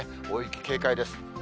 大雪警戒です。